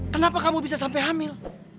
kenapa kamu bisa sampai hamil